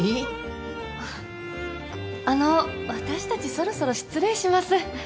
あの私たちそろそろ失礼します。